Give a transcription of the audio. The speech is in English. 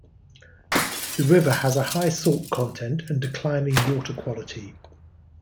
The river has a high salt content and declining water quality.